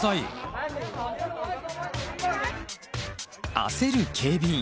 焦る警備員。